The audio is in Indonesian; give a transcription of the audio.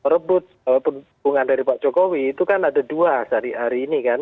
rebut dukungan dari pak jokowi itu kan ada dua hari ini kan